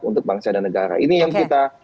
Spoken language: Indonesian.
untuk bangsa dan negara ini yang kita